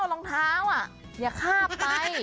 รองเท้าอย่าข้ามไป